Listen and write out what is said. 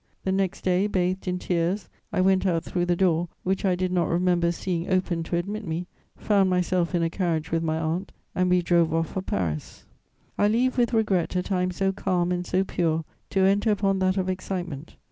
The next day, bathed in tears, I went out through the door, which I did not remember seeing opened to admit me, found myself in a carriage with my aunt, and we drove off for Paris. "I leave with regret a time so calm and so pure to enter upon that of excitement.